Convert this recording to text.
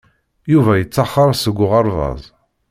Yuba yeṭṭaxer seg uɣerbaz.